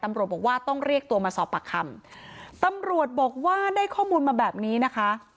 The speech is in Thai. ตำรวจบอกว่าต้องเรียกตัวมาสอบปากคำตำรวจบอกว่าได้ข้อมูลมาแบบนี้นะคะ